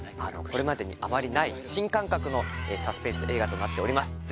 これまでにあまりない新感覚のサスペンス映画となっております。